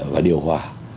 và điều hòa